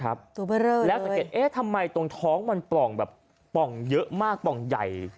เราจะการสัดเก็ตของท้องมันปล่องมันปล่องเยอะมากไดอ่ะ